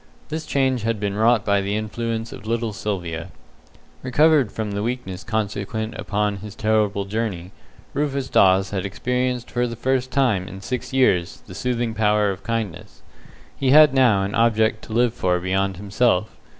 This change had been wrought by the influence of little Sylvia. Recovered from the weakness consequent upon this terrible journey, Rufus Dawes had experienced for the first time in six years the soothing power of kindness. He had now an object to live for beyond himself.